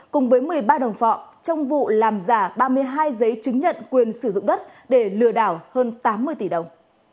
cùng với một mươi ba đồng phạm trong vụ làm giả ba mươi hai giấy chứng nhận quyền sử dụng đất để lừa đảo hơn tám mươi tỷ đồng